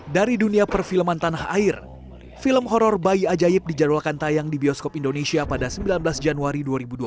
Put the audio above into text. dari dunia perfilman tanah air film horror bayi ajaib dijadwalkan tayang di bioskop indonesia pada sembilan belas januari dua ribu dua puluh